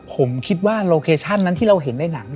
ผมคิดว่าโลเคชั่นนั้นที่เราเห็นในหนัง